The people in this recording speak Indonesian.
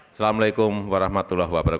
wassalamu'alaikum warahmatullahi wabarakatuh